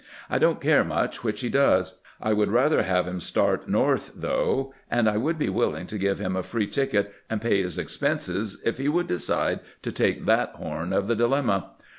I don't care much which he does. I would rather have him start north, though ; and I would be willing to give him. a free ticket and pay his expenses if he would decide to take that horn of the dilemma.